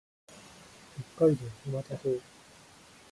北海道沼田町